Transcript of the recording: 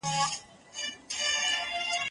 زه د کتابتون د کار مرسته نه کوم!.